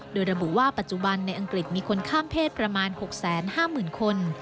โดยระบุว่าปัจจุบันในอังกฤษมีคนข้ามเพศประมาณ๖๕๐๐๐คน